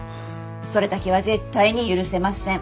それだけは絶対に許せません。